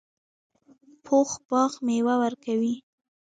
پوخ باغ میوه ورکوي